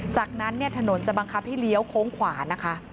จากนั้นถนนจะบังคับให้เลี้ยวโค้งขวานะคะ